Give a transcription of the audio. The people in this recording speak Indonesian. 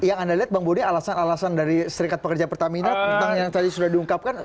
yang anda lihat bang boni alasan alasan dari serikat pekerja pertamina tentang yang tadi sudah diungkapkan